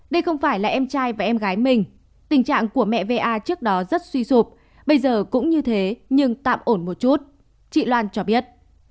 đây không phải là em trai và em gái mình tình trạng của mẹ va trước đó rất suy sụp bây giờ cũng như thế nhưng tạm ổn một chút chị loan cho biết